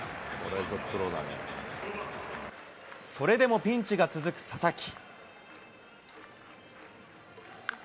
それでもピンチが続く佐々木。